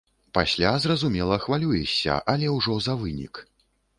Пасля, зразумела, хвалюешся, але ўжо за вынік.